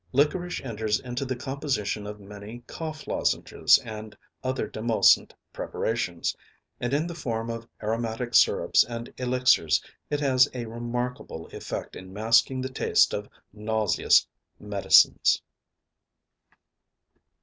Liquorice enters into the composition of many cough lozenges and other demulcent preparations; and in the form of aromatic syrups and elixirs it has a remarkable effect in masking the taste of nauseous medicines.